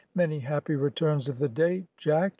"Many happy returns of the day, Jack!"